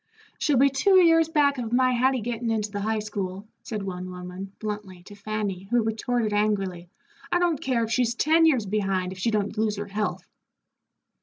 "She'll be two years back of my Hattie gettin' into the high school," said one woman, bluntly, to Fanny, who retorted, angrily, "I don't care if she's ten years behind, if she don't lose her health."